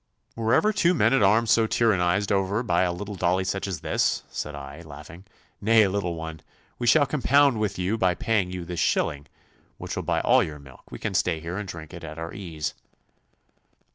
'Were ever two men at arms so tyrannised over by a little dolly such as this!' said I, laughing. 'Nay, little one, we shall compound with you by paying you this shilling, which will buy all your milk. We can stay here and drink it at our ease.